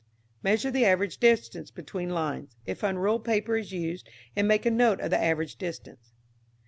Measure the average distance between lines, if unruled paper be used, and make a note of the average distance.